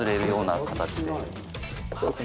そうですね。